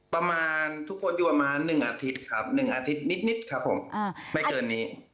ประมาณทุกคนอยู่ประมาณ๑อาทิตย์ครับ๑อาทิตย์นิดครับผมไม่เกินนี้